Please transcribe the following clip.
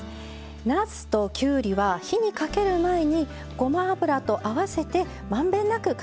なすときゅうりは火にかける前にごま油と合わせて満遍なく絡めておきます。